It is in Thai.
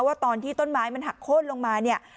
ว่าตอนที่ต้นไม้มันหักโค้นลงมาเนี่ย